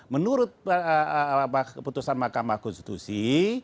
menurut keputusan mahkamah konstitusi